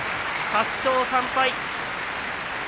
８勝３敗。